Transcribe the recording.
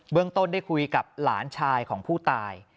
เรื่องต้นได้คุยกับหลานชายของผู้ตาย